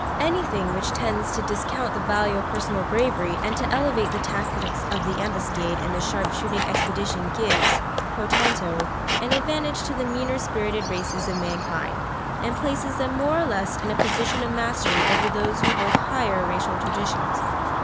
Anything which tends to discount the value of personal bravery and to elevate the tactics of the ambuscade and the sharp shooting expedition gives, pro tanto, an advantage to the meaner spirited races of mankind, and places them more or less in a position of mastery over those who hold higher racial traditions.